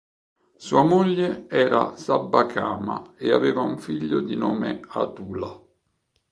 Sua moglie era Sabbakama e aveva un figlio di nome Atula.